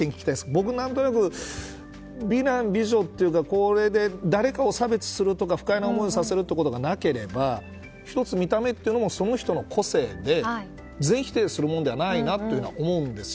僕何となく美男美女というか誰かを差別とか誰かに不快な思いをさせるということがなければ１つ、見た目っていうのもその人の個性で全否定するものではないなとは思うんです。